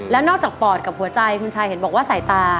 แล้วนอกจากปอดกับหัวใจคุณชายเห็นบอกว่าสายตา